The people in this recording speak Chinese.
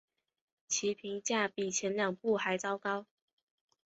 其评价比前两部还糟糕。